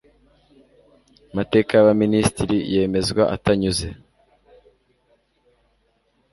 mateka y abaminisitiri yemezwa atanyuze